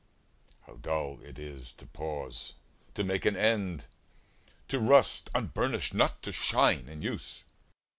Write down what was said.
How dull it is to pause, to make an end, To rust unburnish'd, not to shine in use!